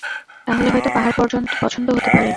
তাহলে হয়ত পাহাড় পছন্দ হতে পারে?